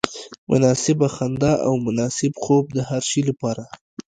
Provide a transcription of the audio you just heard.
مناسبه خندا او مناسب خوب د هر شي لپاره.